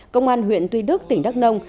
công an huyện tuy đức tỉnh đắk lông